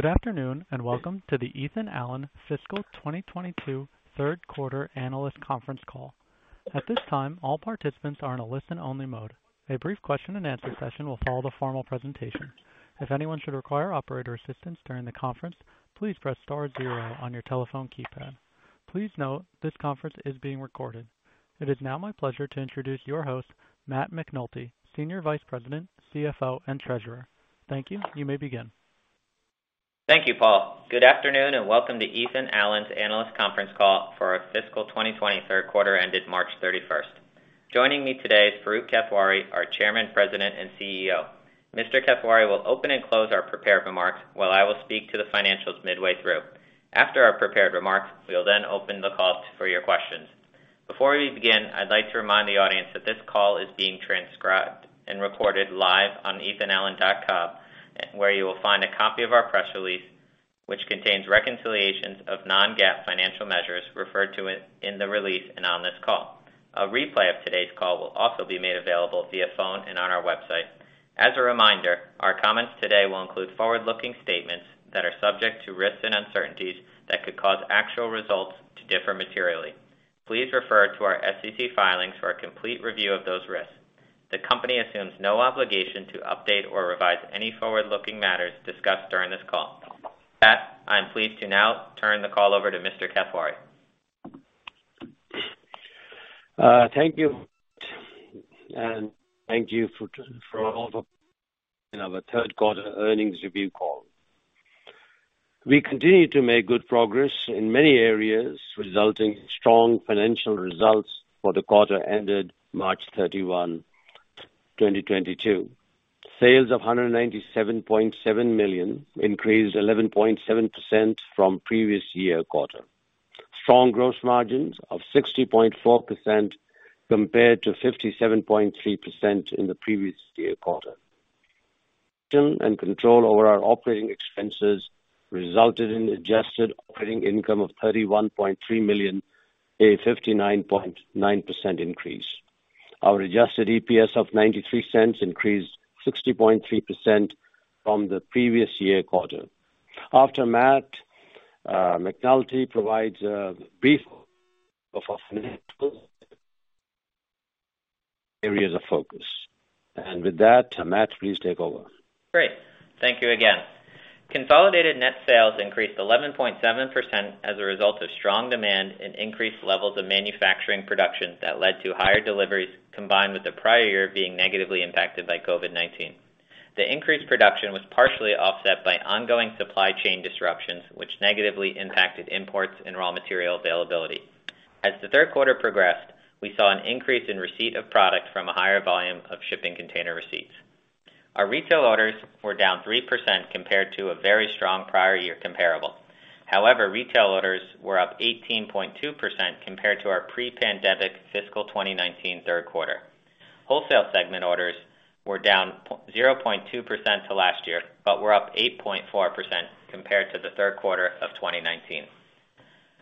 Good afternoon, and welcome to the Ethan Allen Fiscal 2022 Third Quarter Analyst Conference Call. At this time, all participants are in a listen only mode. A brief question and answer session will follow the formal presentation. If anyone should require operator assistance during the conference, please press star zero on your telephone keypad. Please note this conference is being recorded. It is now my pleasure to introduce your host, Matt McNulty, Senior Vice President, CFO & Treasurer. Thank you. You may begin. Thank you, Paul. Good afternoon, and welcome to Ethan Allen's Analyst Conference call for our fiscal 2023 third quarter ended March 31. Joining me today is Farooq Kathwari, our Chairman, President, and CEO. Mr. Kathwari will open and close our prepared remarks, while I will speak to the financials midway through. After our prepared remarks, we will then open the call for your questions. Before we begin, I'd like to remind the audience that this call is being transcribed and recorded live on ethanallen.com, where you will find a copy of our press release, which contains reconciliations of non-GAAP financial measures referred to in the release and on this call. A replay of today's call will also be made available via phone and on our website. As a reminder, our comments today will include forward-looking statements that are subject to risks and uncertainties that could cause actual results to differ materially. Please refer to our SEC filings for a complete review of those risks. The company assumes no obligation to update or revise any forward-looking matters discussed during this call. With that, I am pleased to now turn the call over to Mr. Kathwari. Thank you, and thank you for all of our third quarter earnings review call. We continue to make good progress in many areas, resulting in strong financial results for the quarter ended March 31, 2022. Sales of $197.7 million increased 11.7% from previous year quarter. Strong gross margins of 60.4% compared to 57.3% in the previous year quarter. Control over our operating expenses resulted in adjusted operating income of $31.3 million, a 59.9% increase. Our adjusted EPS of $0.93 increased 60.3% from the previous year quarter. After Matt McNulty provides a brief of our financial areas of focus. With that, Matt, please take over. Great. Thank you again. Consolidated net sales increased 11.7% as a result of strong demand and increased levels of manufacturing production that led to higher deliveries, combined with the prior year being negatively impacted by COVID-19. The increased production was partially offset by ongoing supply chain disruptions, which negatively impacted imports and raw material availability. As the third quarter progressed, we saw an increase in receipt of products from a higher volume of shipping container receipts. Our retail orders were down 3% compared to a very strong prior year comparable. However, retail orders were up 18.2% compared to our pre-pandemic fiscal 2019 third quarter. Wholesale segment orders were down 0.2% to last year, but were up 8.4% compared to the third quarter of 2019.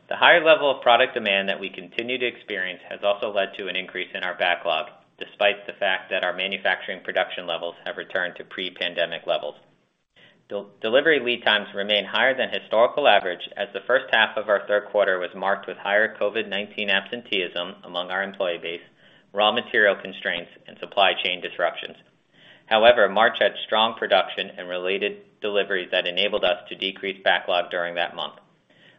The higher level of product demand that we continue to experience has also led to an increase in our backlog, despite the fact that our manufacturing production levels have returned to pre-pandemic levels. Delivery lead times remain higher than historical average, as the first half of our third quarter was marked with higher COVID-19 absenteeism among our employee base, raw material constraints, and supply chain disruptions. However, March had strong production and related deliveries that enabled us to decrease backlog during that month.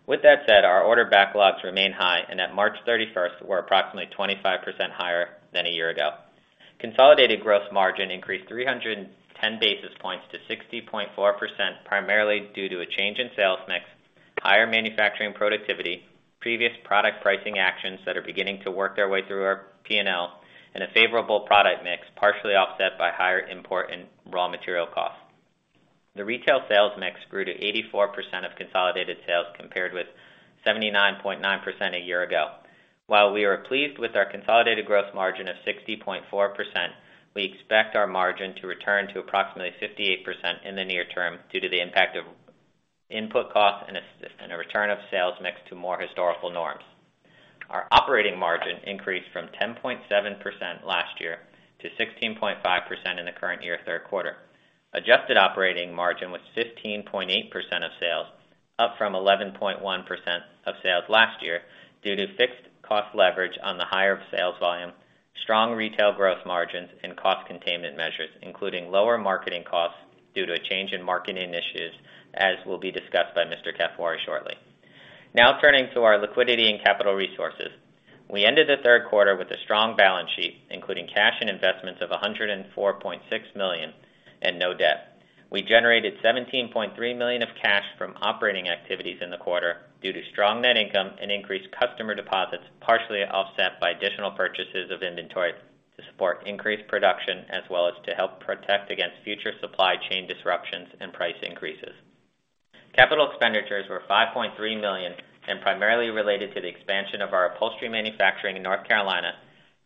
With that said, our order backlogs remain high, and at March 31 were approximately 25% higher than a year ago. Consolidated gross margin increased 310 basis points to 60.4%, primarily due to a change in sales mix, higher manufacturing productivity, previous product pricing actions that are beginning to work their way through our P&L, and a favorable product mix, partially offset by higher import and raw material costs. The retail sales mix grew to 84% of consolidated sales, compared with 79.9% a year ago. While we are pleased with our consolidated gross margin of 60.4%, we expect our margin to return to approximately 58% in the near term due to the impact of input costs and a return of sales mix to more historical norms. Our operating margin increased from 10.7% last year to 16.5% in the current year third quarter. Adjusted operating margin was 15.8% of sales, up from 11.1% of sales last year due to fixed cost leverage on the higher sales volume, strong retail growth margins, and cost containment measures, including lower marketing costs due to a change in marketing initiatives, as will be discussed by Mr. Kathwari shortly. Now turning to our liquidity and capital resources. We ended the third quarter with a strong balance sheet, including cash and investments of $104.6 million and no debt. We generated $17.3 million of cash from operating activities in the quarter due to strong net income and increased customer deposits, partially offset by additional purchases of inventory to support increased production as well as to help protect against future supply chain disruptions and price increases. Capital expenditures were $5.3 million and primarily related to the expansion of our upholstery manufacturing in North Carolina,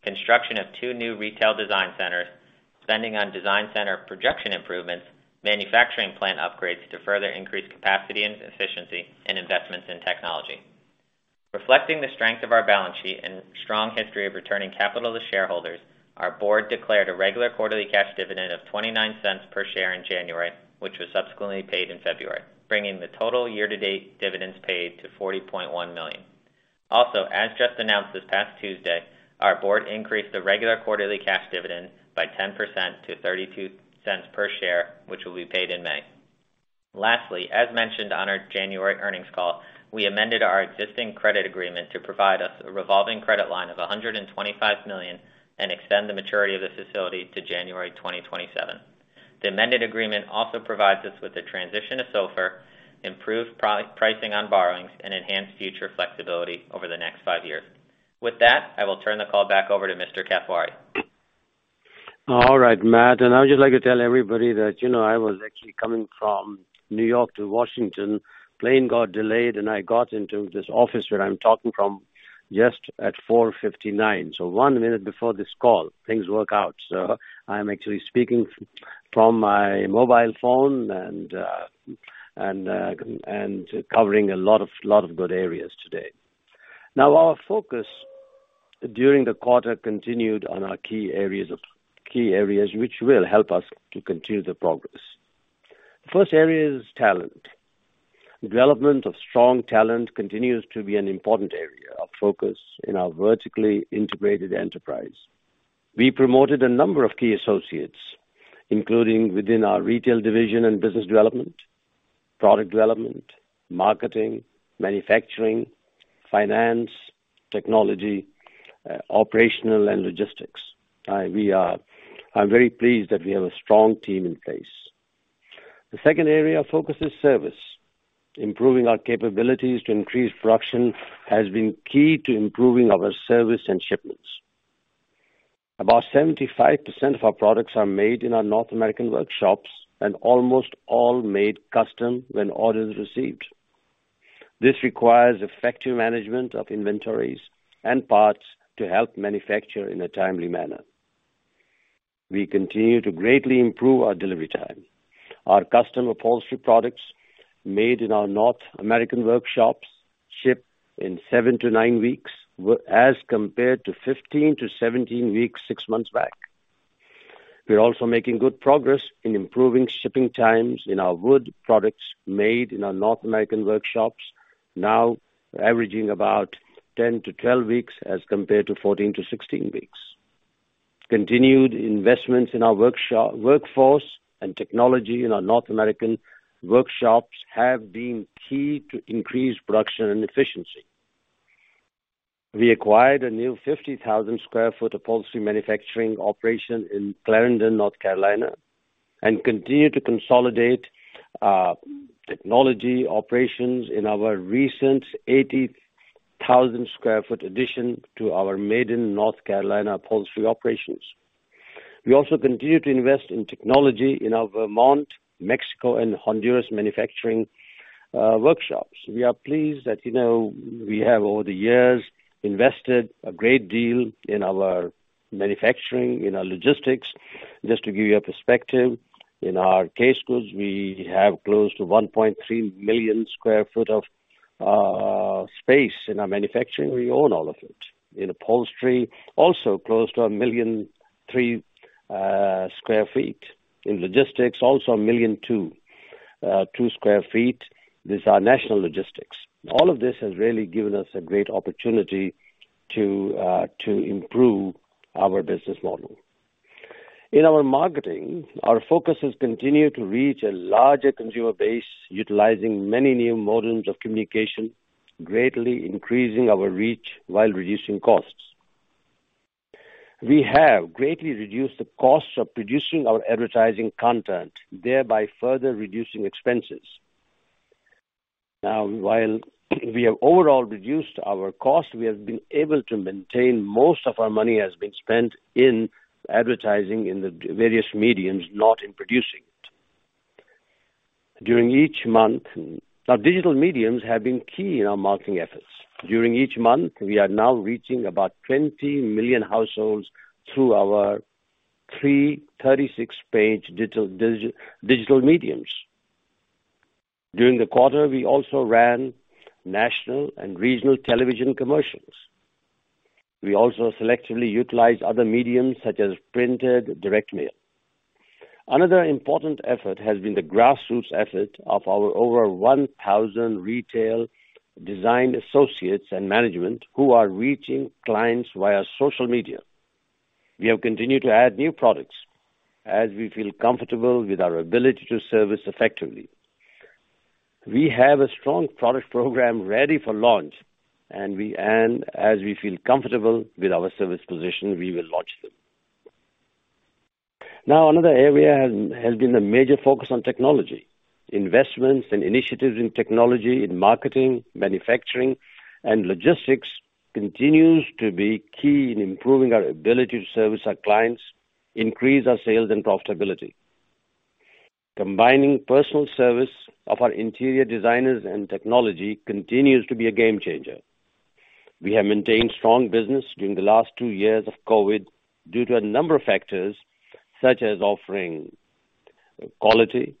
construction of two new retail design centers, spending on design center projection improvements, manufacturing plant upgrades to further increase capacity and efficiency, and investments in technology. Reflecting the strength of our balance sheet and strong history of returning capital to shareholders, our board declared a regular quarterly cash dividend of $0.29 per share in January, which was subsequently paid in February, bringing the total year-to-date dividends paid to $40.1 million. Also, as just announced this past Tuesday, our board increased the regular quarterly cash dividend by 10% to $0.32 per share, which will be paid in May. Lastly, as mentioned on our January earnings call, we amended our existing credit agreement to provide us a revolving credit line of $125 million and extend the maturity of this facility to January 2027. The amended agreement also provides us with the transition to SOFR, improved pricing on borrowings, and enhanced future flexibility over the next five years. With that, I will turn the call back over to Mr. Kathwari. All right, Matt. I would just like to tell everybody that, you know, I was actually coming from New York to Washington. Plane got delayed, and I got into this office where I'm talking from just at 4:59. One minute before this call, things work out. I'm actually speaking from my mobile phone and covering a lot of good areas today. Our focus during the quarter continued on our key areas which will help us to continue the progress. First area is talent. Development of strong talent continues to be an important area of focus in our vertically integrated enterprise. We promoted a number of key associates, including within our retail division and business development, product development, marketing, manufacturing, finance, technology, operational and logistics. I'm very pleased that we have a strong team in place. The second area of focus is service. Improving our capabilities to increase production has been key to improving our service and shipments. About 75% of our products are made in our North American workshops and almost all made custom when orders received. This requires effective management of inventories and parts to help manufacture in a timely manner. We continue to greatly improve our delivery time. Our custom upholstery products made in our North American workshops ship in 7-9 weeks as compared to 15-17 weeks six months back. We're also making good progress in improving shipping times in our wood products made in our North American workshops, now averaging about 10-12 weeks as compared to 14-16 weeks. Continued investments in our workshops, workforce and technology in our North American workshops have been key to increase production and efficiency. We acquired a new 50,000 sq ft upholstery manufacturing operation in Claremont, North Carolina, and continue to consolidate technology operations in our recent 80,000 sq ft addition to our Maiden, North Carolina, upholstery operations. We also continue to invest in technology in our Vermont, Mexico, and Honduras manufacturing workshops. We are pleased that, you know, we have over the years invested a great deal in our manufacturing, in our logistics. Just to give you a perspective, in our case goods, we have close to 1.3 million sq ft of space in our manufacturing. We own all of it. In upholstery, also close to 1.3 million sq ft. In logistics, also 1.2 million sq ft. These are national logistics. All of this has really given us a great opportunity to improve our business model. In our marketing, our focus has continued to reach a larger consumer base, utilizing many new models of communication, greatly increasing our reach while reducing costs. We have greatly reduced the costs of producing our advertising content, thereby further reducing expenses. Now while we have overall reduced our costs, we have been able to maintain most of our money has been spent in advertising in the various mediums, not in producing it. Digital mediums have been key in our marketing efforts. During each month, we are now reaching about 20 million households through our 336-page digital mediums. During the quarter, we also ran national and regional television commercials. We also selectively utilized other mediums such as printed direct mail. Another important effort has been the grassroots effort of our over 1,000 retail design associates and management who are reaching clients via social media. We have continued to add new products as we feel comfortable with our ability to service effectively. We have a strong product program ready for launch, and as we feel comfortable with our service position, we will launch them. Now, another area has been a major focus on technology. Investments and initiatives in technology, in marketing, manufacturing, and logistics continues to be key in improving our ability to service our clients, increase our sales and profitability. Combining personal service of our interior designers and technology continues to be a game changer. We have maintained strong business during the last two years of COVID due to a number of factors, such as offering quality,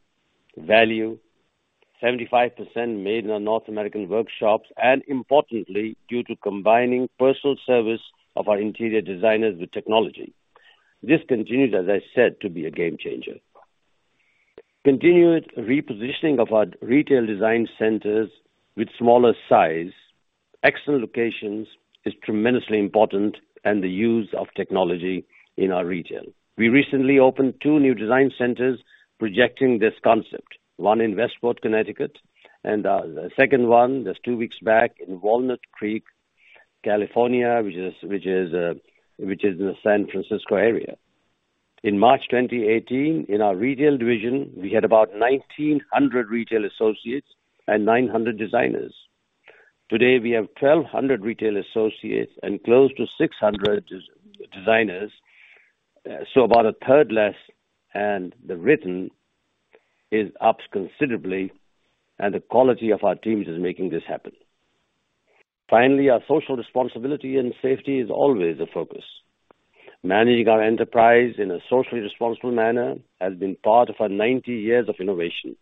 value, 75% made in our North American workshops, and importantly, due to combining personal service of our interior designers with technology. This continues, as I said, to be a game changer. Continued repositioning of our retail design centers with smaller size, excellent locations is tremendously important, and the use of technology in our region. We recently opened two new design centers projecting this concept, one in Westport, Connecticut, and the second one, just two weeks back in Walnut Creek, California, which is in the San Francisco area. In March 2018, in our retail division, we had about 1,900 retail associates and 900 designers. Today we have 1,200 retail associates and close to 600 designers. about a third less, and the writedowns are up considerably, and the quality of our teams is making this happen. Finally, our social responsibility and safety is always a focus. Managing our enterprise in a socially responsible manner has been part of our 90 years of innovation.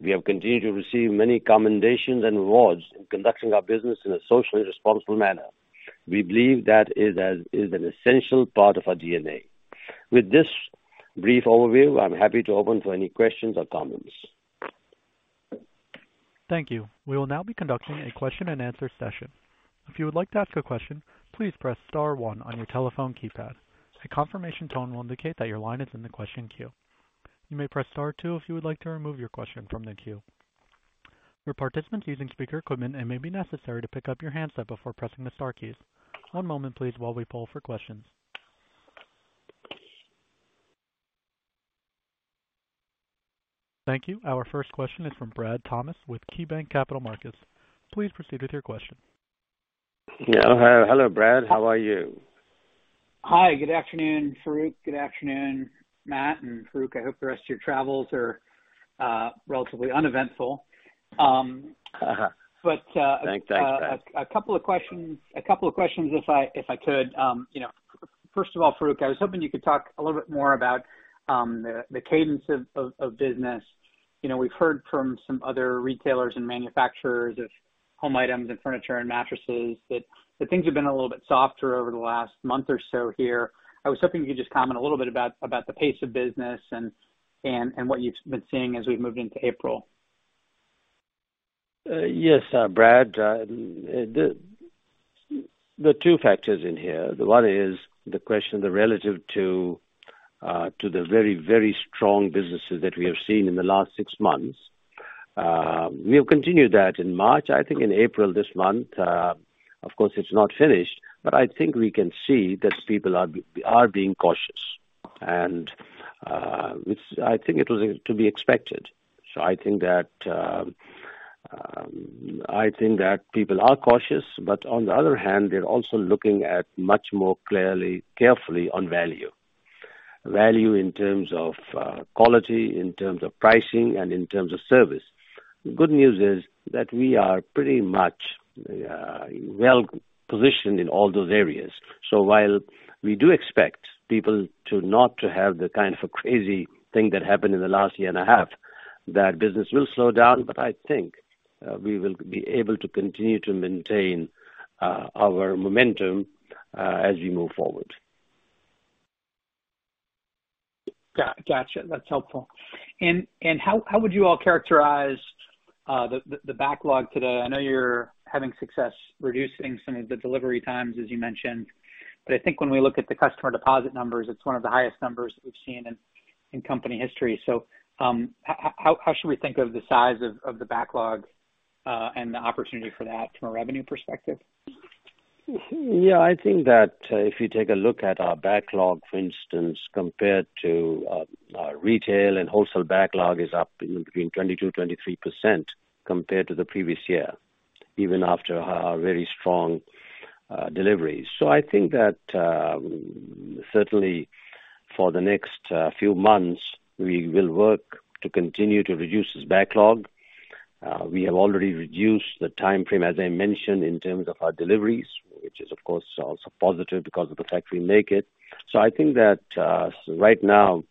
We have continued to receive many commendations and awards in conducting our business in a socially responsible manner. We believe that it is an essential part of our DNA. With this brief overview, I'm happy to open for any questions or comments. Thank you. We will now be conducting a question-and-answer session. If you would like to ask a question, please press star one on your telephone keypad. A confirmation tone will indicate that your line is in the question queue. You may press star two if you would like to remove your question from the queue. For participants using speaker equipment, it may be necessary to pick up your handset before pressing the star keys. One moment please while we poll for questions. Thank you. Our first question is from Brad Thomas with KeyBanc Capital Markets. Please proceed with your question. Yeah. Hello, Brad. How are you? Hi. Good afternoon, Farooq. Good afternoon, Matt. Farooq, I hope the rest of your travels are relatively uneventful. Thanks. Thanks, Brad. A couple of questions if I could. You know, first of all, Farooq, I was hoping you could talk a little bit more about the cadence of business. You know, we've heard from some other retailers and manufacturers of home items and furniture and mattresses that things have been a little bit softer over the last month or so here. I was hoping you could just comment a little bit about the pace of business and what you've been seeing as we've moved into April. Yes, Brad. There are two factors in here. One is the question relative to the very strong businesses that we have seen in the last six months. We have continued that in March, I think in April this month. Of course, it's not finished, but I think we can see that people are being cautious. It's to be expected. I think that people are cautious, but on the other hand, they're also looking much more clearly and carefully at value. Value in terms of quality, in terms of pricing, and in terms of service. The good news is that we are pretty much well-positioned in all those areas. While we do expect people to not have the kind of a crazy thing that happened in the last year and a half, that business will slow down, but I think, we will be able to continue to maintain, our momentum, as we move forward. Gotcha. That's helpful. How would you all characterize the backlog today? I know you're having success reducing some of the delivery times, as you mentioned. I think when we look at the customer deposit numbers, it's one of the highest numbers we've seen in company history. How should we think of the size of the backlog and the opportunity for that from a revenue perspective? Yeah. I think that if you take a look at our backlog, for instance, compared to our retail and wholesale backlog is up between 22%-23% compared to the previous year, even after our very strong delivery. I think that certainly for the next few months, we will work to continue to reduce this backlog. We have already reduced the timeframe, as I mentioned, in terms of our deliveries, which is of course also positive because of the fact we make it. I think that right now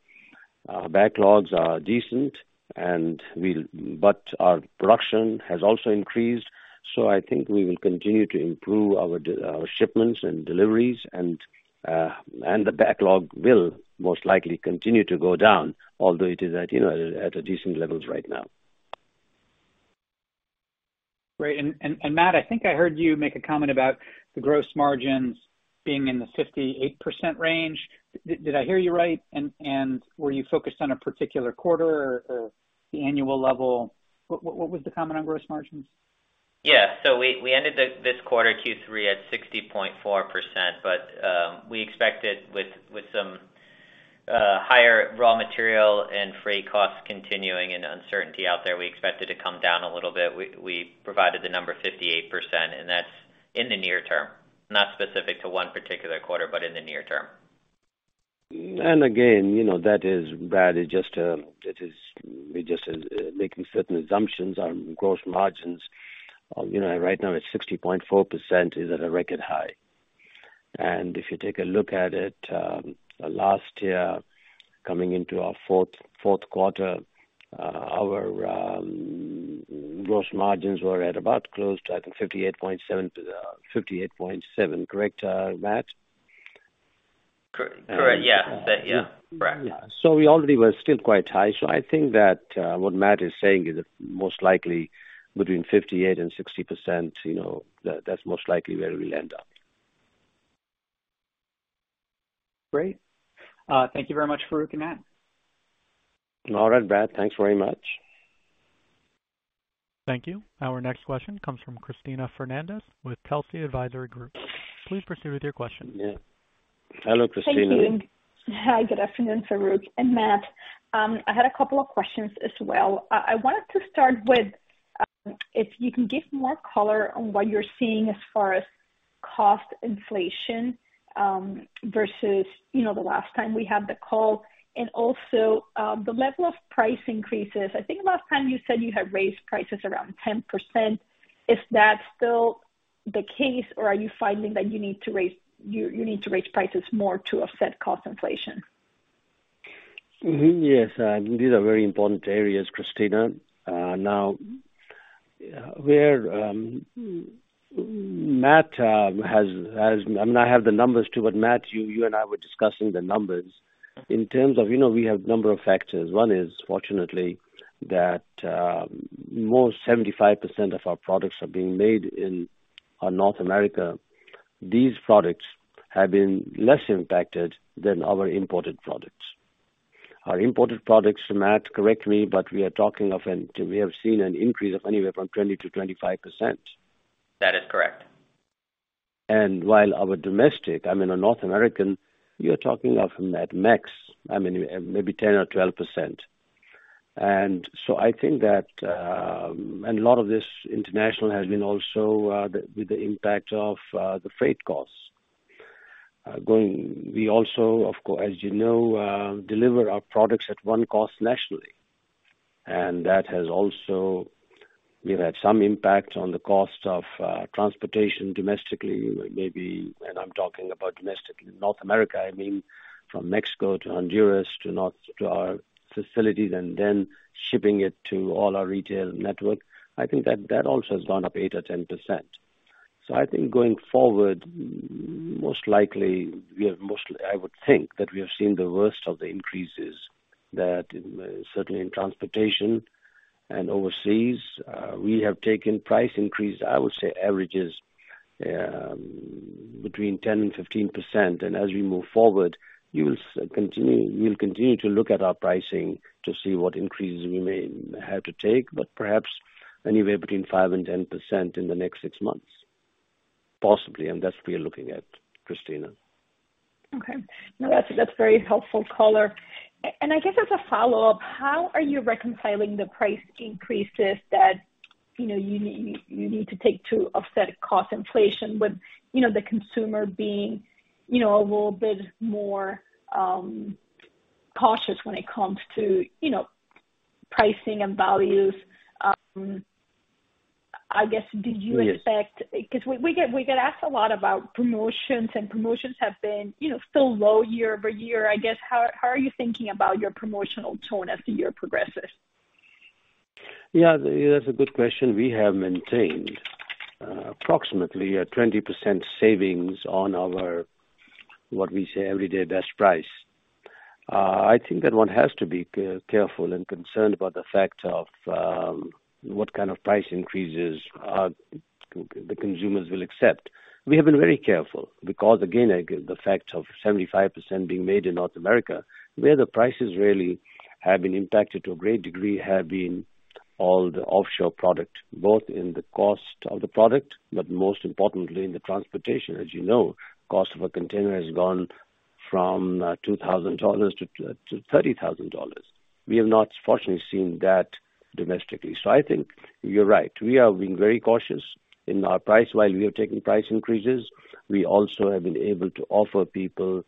backlogs are decent, but our production has also increased. I think we will continue to improve our shipments and deliveries and the backlog will most likely continue to go down, although it is at, you know, at a decent levels right now. Great. Matt, I think I heard you make a comment about the gross margins being in the 58% range. Did I hear you right? Were you focused on a particular quarter or the annual level? What was the comment on gross margins? We ended this quarter, Q3, at 60.4%. We expect it with some higher raw material and freight costs continuing and uncertainty out there, we expect it to come down a little bit. We provided the number 58%, and that's in the near term, not specific to one particular quarter, but in the near term. Again, you know, that is bad. We're just making certain assumptions on gross margins. You know, right now it's 60.4%, is at a record high. If you take a look at it, last year, coming into our fourth quarter, our gross margins were at about close to, I think 58.7%. Correct, Matt? Correct. Yeah. That, yeah. Correct. Yeah. We already were still quite high. I think that what Matt is saying is that most likely between 58% and 60%, you know, that's most likely where we'll end up. Great. Thank you very much, Farooq and Matt. All right, Brad. Thanks very much. Thank you. Our next question comes from Cristina Fernandez with Telsey Advisory Group. Please proceed with your question. Yeah. Hello, Cristina. Thank you. Hi, good afternoon, Farooq and Matt. I had a couple of questions as well. I wanted to start with if you can give more color on what you're seeing as far as cost inflation versus you know the last time we had the call and also the level of price increases. I think last time you said you had raised prices around 10%. Is that still the case, or are you finding that you need to raise prices more to offset cost inflation? Yes, these are very important areas, Cristina. Now, I mean, I have the numbers, too, but Matt, you and I were discussing the numbers. In terms of, you know, we have number of factors. One is fortunately that more 75% of our products are being made in North America. These products have been less impacted than our imported products. Our imported products, Matt, correct me, but we have seen an increase of anywhere from 20%-25%. That is correct. While our domestic, I mean, in North America, you're talking of at max, I mean, maybe 10 or 12%. I think that a lot of this international has also been with the impact of the freight costs. We also, of course, as you know, deliver our products at one cost nationally, and that has also, you know, had some impact on the cost of transportation domestically, maybe. I'm talking about domestically, North America, I mean, from Mexico to Honduras to North, to our facilities and then shipping it to all our retail network. I think that that also has gone up 8 or 10%. I think going forward, most likely, I would think that we have seen the worst of the increases that certainly in transportation and overseas we have taken price increase, I would say averages between 10% and 15%. As we move forward, we'll continue to look at our pricing to see what increases we may have to take, but perhaps anywhere between 5% and 10% in the next six months, possibly. That's what we are looking at, Christina. Okay. No, that's very helpful color. I guess as a follow-up, how are you reconciling the price increases that, you know, you need to take to offset cost inflation with, you know, the consumer being, you know, a little bit more cautious when it comes to, you know, pricing and values. I guess, did you- Yes. Because we get asked a lot about promotions, and promotions have been, you know, still low year over year. I guess, how are you thinking about your promotional tone as the year progresses? Yeah, that's a good question. We have maintained approximately a 20% savings on our, what we say, everyday best price. I think that one has to be careful and concerned about the fact of what kind of price increases the consumers will accept. We have been very careful because, again, I give the fact of 75% being made in North America, where the prices really have been impacted to a great degree have been all the offshore product, both in the cost of the product, but most importantly in the transportation. As you know, cost of a container has gone from $2,000-$30,000. We have not fortunately seen that domestically. I think you're right. We are being very cautious in our price. While we are taking price increases, we also have been able to offer people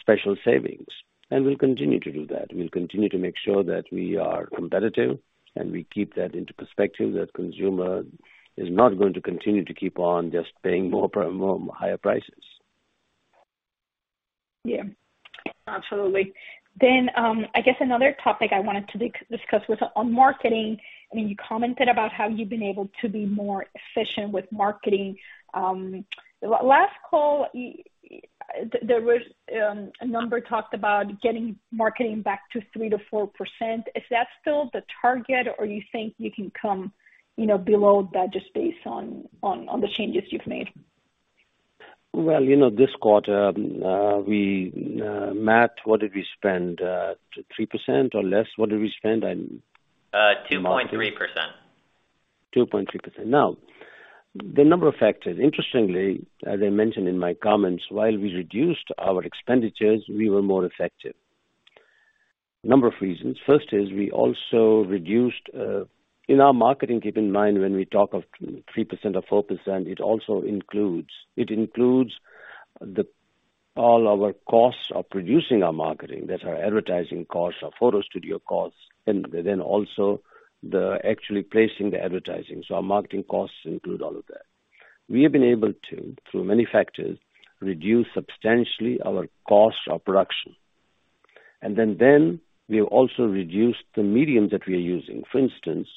special savings, and we'll continue to do that. We'll continue to make sure that we are competitive, and we keep that into perspective, that consumer is not going to continue to keep on just paying more and more higher prices. Yeah, absolutely. I guess another topic I wanted to discuss with on marketing. I mean, you commented about how you've been able to be more efficient with marketing. Last call, there was a number talked about getting marketing back to 3%-4%. Is that still the target or you think you can come, you know, below that just based on the changes you've made? Well, you know, this quarter, Matt, what did we spend? 3% or less. What did we spend on- Uh, 2.3%. 2.3%. Now, the number of factors, interestingly, as I mentioned in my comments, while we reduced our expenditures, we were more effective. Number of reasons. First is we also reduced in our marketing. Keep in mind when we talk of three percent or four percent, it also includes. It includes all our costs of producing our marketing. That's our advertising costs, our photo studio costs, and then also the actual placing the advertising. So our marketing costs include all of that. We have been able to, through many factors, reduce substantially our cost of production. Then we have also reduced the medium that we are using. For instance,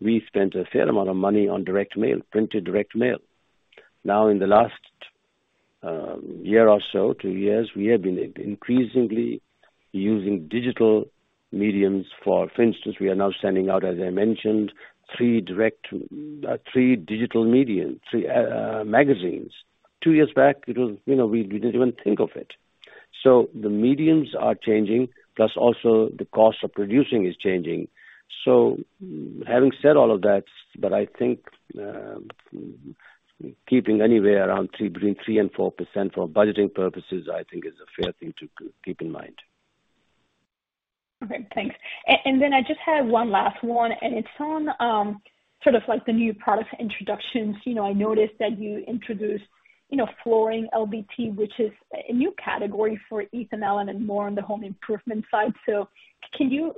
we spent a fair amount of money on direct mail, printed direct mail. Now, in the last year or so, two years, we have been increasingly using digital mediums for For instance, we are now sending out, as I mentioned, three digital mediums, three magazines. Two years back, it was, you know, we didn't even think of it. The mediums are changing, plus also the cost of producing is changing. Having said all of that, but I think, keeping anywhere around 3% between 3% and 4% for budgeting purposes, I think is a fair thing to keep in mind. Okay, thanks. Then I just had one last one, and it's on sort of like the new product introductions. You know, I noticed that you introduced, you know, flooring LVT, which is a new category for Ethan Allen and more on the home improvement side. Can you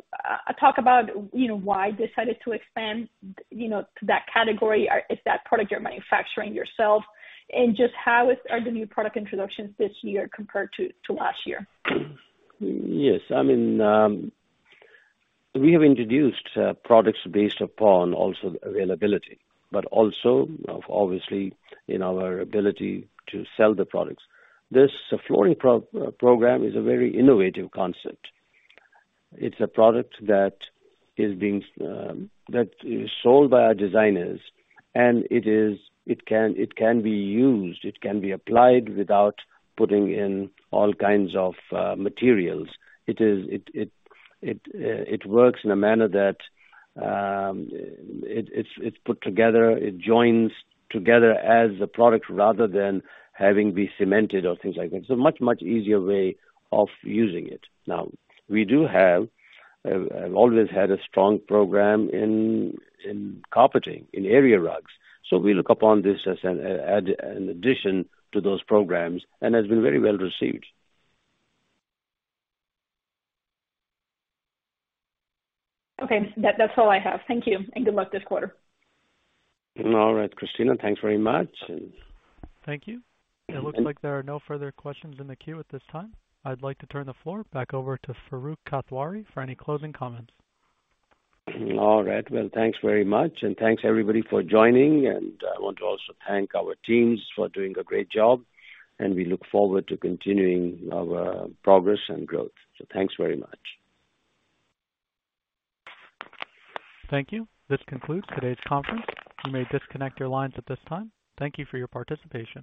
talk about, you know, why decided to expand, you know, to that category? Is that product you're manufacturing yourself? And just how are the new product introductions this year compared to last year? Yes. I mean, we have introduced products based upon also the availability, but also obviously on our ability to sell the products. This flooring program is a very innovative concept. It's a product that is sold by our designers, and it can be used, it can be applied without putting in all kinds of materials. It works in a manner that it's put together, it joins together as a product rather than having to be cemented or things like that. It's a much easier way of using it. Now, we have always had a strong program in carpeting, in area rugs. We look upon this as an addition to those programs and has been very well received. Okay. That's all I have. Thank you. Good luck this quarter. All right, Cristina, thanks very much. Thank you. It looks like there are no further questions in the queue at this time. I'd like to turn the floor back over to Farooq Kathwari for any closing comments. All right. Well, thanks very much, and thanks everybody for joining. I want to also thank our teams for doing a great job. We look forward to continuing our progress and growth. Thanks very much. Thank you. This concludes today's conference. You may disconnect your lines at this time. Thank you for your participation.